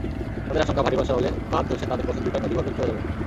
তাঁদের শঙ্কা, ভারী বর্ষা হলে বাঁধ ধসে তাঁদের বসতভিটা নদীগর্ভে চলে যাবে।